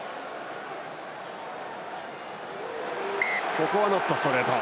ここはノットストレート。